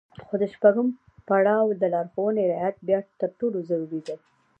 خو د شپږم پړاو د لارښوونو رعايت بيا تر ټولو ضروري دی.